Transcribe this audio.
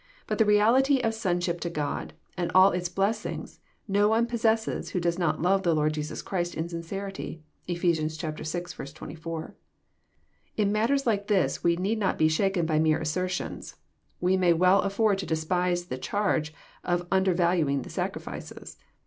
But the reality of sonship to God, and all its blessings, no one possesses who does not love the Lord Jesus Christ in sincerity. (Ephes. vi. 24.) In matters like these we need not be shaken by mere asser tions. We may well afford to despise the charge of un dervaluing the sacraments.